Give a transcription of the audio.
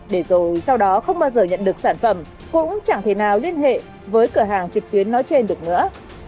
để rồi sau đó không bao giờ nhận được sản phẩm cũng chẳng thể nào liên hệ với cửa hàng trực tuyến nói trên được nữa